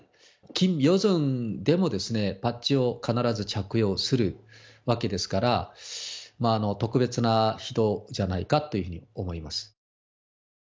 キム・ヨジョンでもバッジを必ず着用するわけですから、特別な人じゃないかっていうふうに思います。